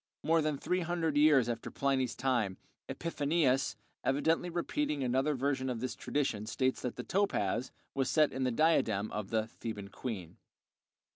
More than three hundred years after Pliny's time, Epiphanius, evidently repeating another version of this tradition, states that the "topaz" was set in the diadem of the "Theban queen."